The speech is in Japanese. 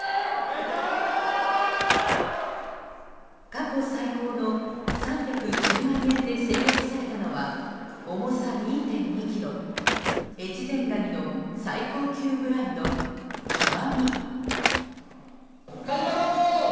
過去最高の３１０万円で競り落とされたのは重さ２．２ｋｇ、越前ガニの最高級ブランド「極」。